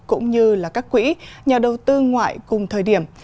cũng như là các quỹ nhà đầu tư ngoại cùng thời điểm